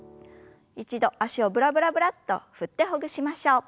一度脚をブラブラブラッと振ってほぐしましょう。